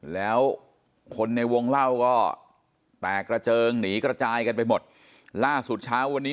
แล้วคนในวงเล่าก็แตกกระเจิงหนีกระจายกันไปหมดล่าสุดเช้าวันนี้